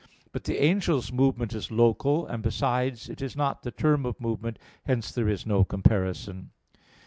But the angel's movement is local, and, besides, it is not the term of movement; hence there is no comparison.